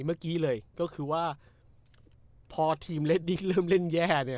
เมื่อกี้เลยก็คือว่าพอทีมเรดดิ้งเริ่มเล่นแย่เนี่ย